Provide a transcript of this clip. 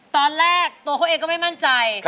ตอนแรกตัวเขาเองก็ไม่มั่นใจ